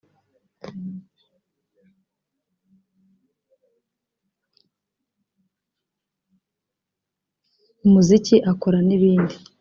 umuziki akora n’ibindi